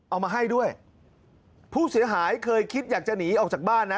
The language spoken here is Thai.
เอามาให้ด้วยผู้เสียหายเคยคิดอยากจะหนีออกจากบ้านนะ